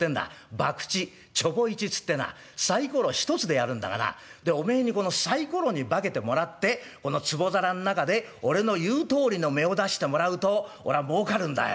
ばくちちょぼいちっつってなサイコロ一つでやるんだがなでおめえにこのサイコロに化けてもらってこのつぼ皿ん中で俺の言うとおりの目を出してもらうと俺はもうかるんだよ。